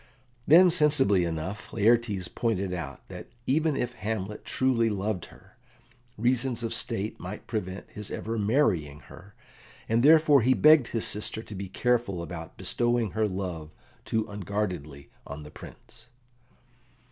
Then, sensibly enough, Laertes pointed out that even if Hamlet truly loved her, reasons of state might prevent his ever marrying her, and therefore he begged his sister to be careful about bestowing her love too unguardedly on the Prince.